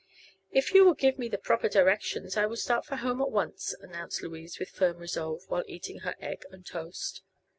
"If you will give me the proper directions I will start for home at once," announced Louise, with firm resolve, while eating her egg and toast.